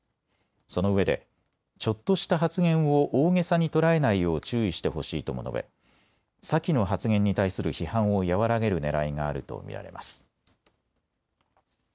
そのうえでちょっとした発言を大げさに捉えないよう注意してほしいとも述べ、先の発言に対する批判を和らげるねらいがあると見られます。